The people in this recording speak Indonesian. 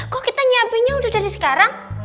kok kita nyiapinnya udah dari sekarang